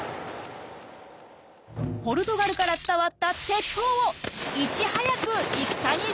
ポルトガルから伝わった鉄砲をいち早く戦に導入！